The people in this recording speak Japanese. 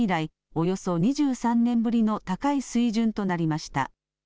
およそ２３年ぶりの高い水準となりました。